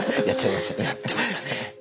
やってましたね。